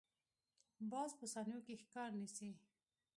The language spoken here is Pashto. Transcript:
باز په ثانیو کې ښکار نیسي